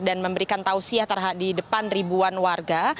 dan memberikan tausiah terhadap ribuan warga